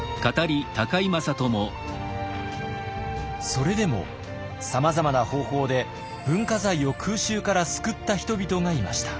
それでもさまざまな方法で文化財を空襲から救った人々がいました。